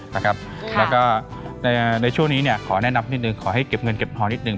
นะครับแล้วก็ในช่วงนี้เนี่ยขอแนะนำนิดนึงขอให้เก็บเงินเก็บพอนิดนึง